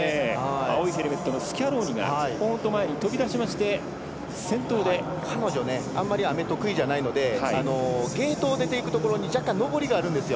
青いヘルメットのスキャローニが前に飛び出しまして彼女、あんまり雨が得意じゃないのでゲートのところに若干上りがあるんですよ。